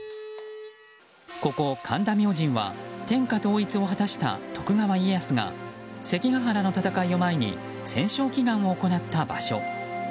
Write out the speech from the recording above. ここ神田明神は天下統一を果たした徳川家康が関ケ原の戦いを前に戦勝祈願を行った場所。